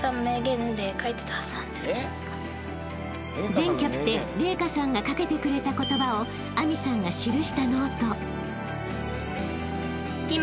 ［前キャプテン麗華さんが掛けてくれた言葉を明未さんが記したノート］